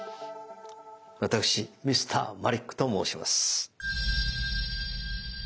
私Ｍｒ．マリックと申します。